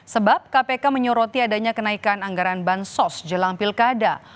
sebab kpk menyoroti adanya kenaikan anggaran bansos jelang pilkada